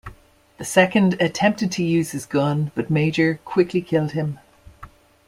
The second attempted to use his gun, but Major quickly killed him.